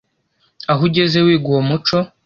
aho ugeze wiga uwo muco